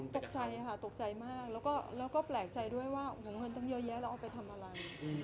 ตกใจค่ะตกใจมากแล้วก็แปลกใจด้วยว่าเงินตั้งเยอะแยะเราเอาไปทำอะไร